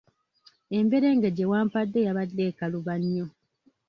Emberenge gye wampadde yabadde ekaluba nnyo.